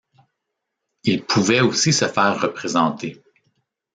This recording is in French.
Il pouvait aussi se faire représenter.